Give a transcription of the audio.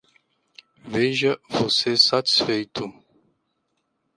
Veja você satisfeito!